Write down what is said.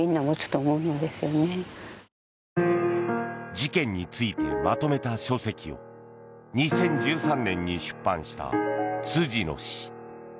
事件についてまとめた書籍を２０１３年に出版した辻野氏。